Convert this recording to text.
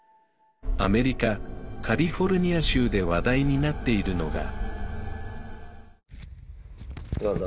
アメリカカリフォルニア州で話題になっているのが何だ？